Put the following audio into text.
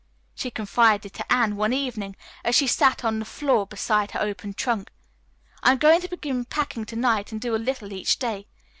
She confided to Anne one evening, as she sat on the floor beside her open trunk: "I'm going to begin packing to night and do a little each day.